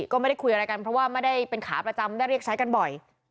ก็ไม่ได้คุยอะไรกันเพราะว่าไม่ได้เป็นขาประจำได้เรียกใช้กันบ่อย